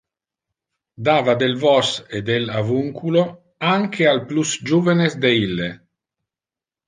Dava del vos e del avunculo anque al plus juvenes de ille.